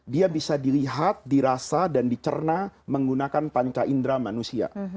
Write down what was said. dia bisa dilihat dirasa dan dicerna menggunakan panca indera manusia